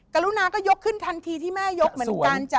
กรุณาก็ยกขึ้นทันทีที่แม่ยกเหมือนกันจ้ะ